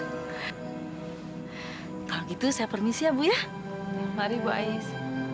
hai kalau gitu saya permisi ya bu ya mari gua ais